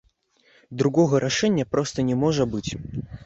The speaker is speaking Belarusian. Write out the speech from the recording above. Другога рашэння проста не можа быць.